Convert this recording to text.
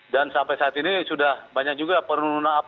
dan sampai saat ini sudah banyak juga penurunan ketinggian air dan juga